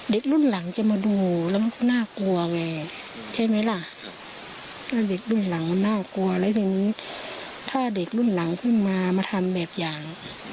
เด็กรุ่นหลังมันน่ากลัวถ้าเด็กรุ่นหลังขึ้นมามาทำแบบอย่าง